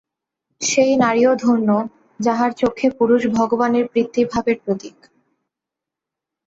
সেই নারীও ধন্য, যাঁহার চক্ষে পুরুষ ভগবানের পিতৃভাবের প্রতীক।